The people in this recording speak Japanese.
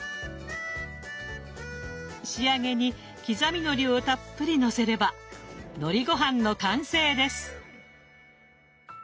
仕上げに刻みのりをたっぷりのせればのりごはんの完成です。